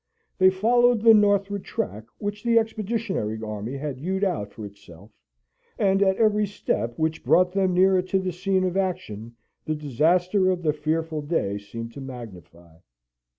They followed the northward track which the expeditionary army had hewed out for itself, and at every step which brought them nearer to the scene of action, the disaster of the fearful day seemed to magnify.